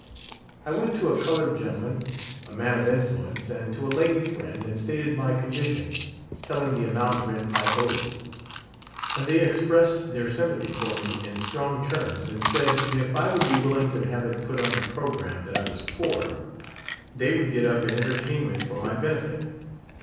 I went to a colored gentleman (a man of influence) and to a lady friend and stated my contition, telling the amount of rent I owed ; and they expressed their sym pathy for me in strong terms, and said if I would be willing to have it put on the programme that I was poor, they would get up an entertainment for my benefit.